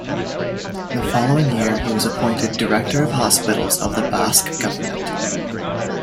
The following year he was appointed Director of hospitals of the Basque Government.